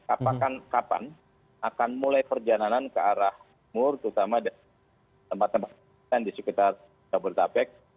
apakan kapan akan mulai perjalanan ke arah mur terutama tempat tempat di sekitar kabupaten tapek